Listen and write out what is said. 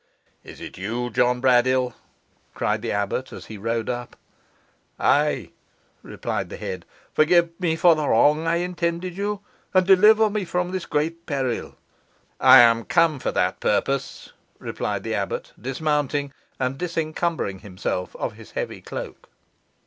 "Is it you, John Braddyll?" cried the abbot, as he rode up. "Ay," replied the head. "Forgive me for the wrong I intended you, and deliver me from this great peril." "I am come for that purpose," replied the abbot, dismounting, and disencumbering himself of his heavy cloak.